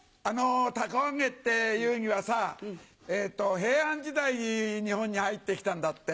凧揚げっていうのはさ平安時代に日本に入って来たんだって。